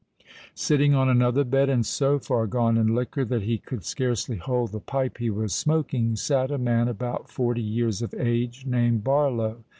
Sitting on another bed, and so far gone in liquor that he could scarcely hold the pipe he was smoking, sate a man about forty years of age, named Barlow.